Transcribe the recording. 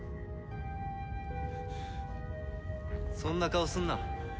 そんな顔すんな。